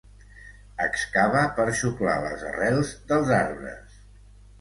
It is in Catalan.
Excava per xuclar les arrels dels arbres.